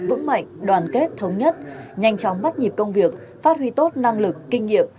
vững mạnh đoàn kết thống nhất nhanh chóng bắt nhịp công việc phát huy tốt năng lực kinh nghiệm